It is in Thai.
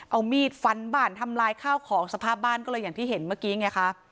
เอามีดฟันบ้านทำลายข้าวของสภาพบ้านก็เลยอย่างที่เห็นเมื่อกี้ไงคะ